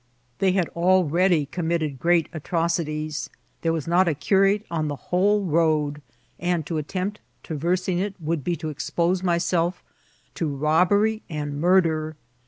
They had al ready committed great atrocities ; there was not a cu rate on the whcde road ; and to attempt traversing it would be to expose myself to robbery and murder.